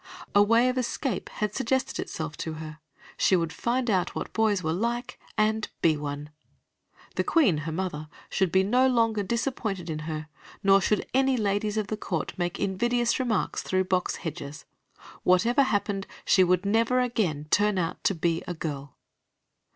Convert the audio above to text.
A way of escape had suggested itself to her: she would find out what boys were like and be one. The Queen, her mother, should be no longer disappointed in her, nor should any ladies of the court make invidious remarks through box hedges. Whatever happened, she would never again turn out to be a girl.